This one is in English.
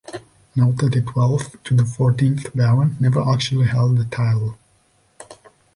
Note that the twelfth to fourteenth barons never actually held the title.